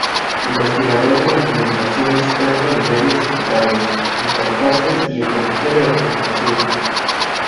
Investigador de la comunicación experto en medios digitales, interfaces y ecología de la comunicación.